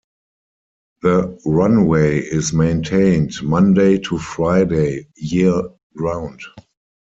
The runway is maintained Monday to Friday year-round.